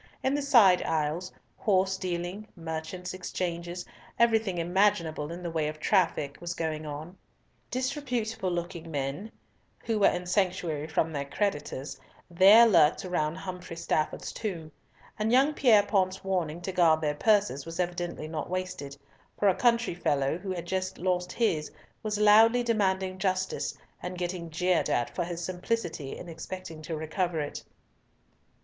In the side aisles, horse dealing, merchants' exchanges, everything imaginable in the way of traffic was going on. Disreputable looking men, who there were in sanctuary from their creditors, there lurked around Humfrey Stafford's tomb; and young Pierrepoint's warning to guard their purses was evidently not wasted, for a country fellow, who had just lost his, was loudly demanding justice, and getting jeered at for his simplicity in expecting to recover it.